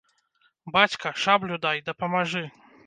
Бацька, шаблю дай, дапамажы!